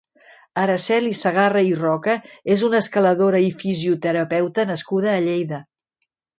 Araceli Segarra i Roca és una escaladora i fisioterapeuta nascuda a Lleida.